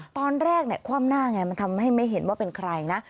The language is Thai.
ตอนแรกคว่ำหน้าไงมันทำให้ไม่เห็นว่าเป็นใครนะ